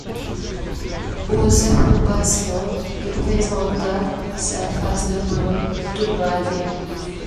Aux approbations, il présenta sa face de plomb toute rasée.